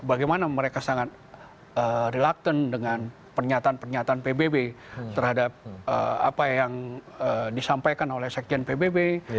bagaimana mereka sangat reluctant dengan pernyataan pernyataan pbb terhadap apa yang disampaikan oleh sekjen pbb